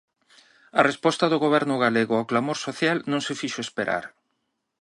A resposta do Goberno galego ao clamor social non se fixo esperar.